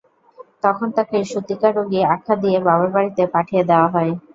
তখন তাকে সূতিকা রোগী আখ্যা দিয়ে বাবার বাড়িতে পাঠিয়ে দেওয়া হয়।